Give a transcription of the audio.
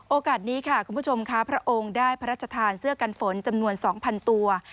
โอกาสนี้ค่ะคุณผู้ชมค่ะพระองค์ได้พระราชทานเสื้อกันฝนจำนวน๒๐๐ตัว